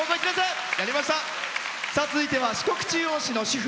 続いては四国中央市の主婦。